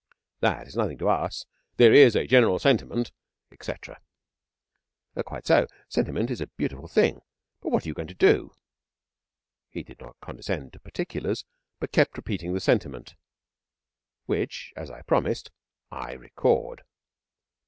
'That is nothing to us. There is a General Sentiment,' etc. 'Quite so. Sentiment is a beautiful thing, but what are you going to do?' He did not condescend to particulars, but kept repeating the sentiment, which, as I promised, I record.